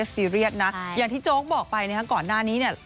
ซีเรียสนะอย่างที่โจ๊กบอกไปนะครับก่อนหน้านี้เนี่ย